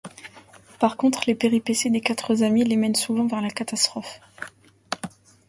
Par contre, les péripéties des quatre amis les mènent souvent vers la catastrophe.